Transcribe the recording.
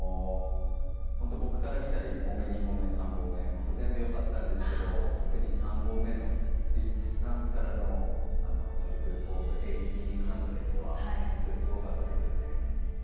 僕から見たら１本目、２本目、３本目全部よかったんですけど特に３本目のスイッチスタンスからのトリプルコーク１８００は本当にすごかったですよね。